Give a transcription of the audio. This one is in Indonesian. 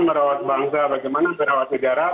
merawat bangsa bagaimana merawat sejarah